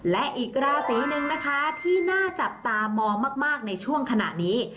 และอีกราศีหนึ่งนะคะที่น่าจับตามองมากในช่วงขณะนี้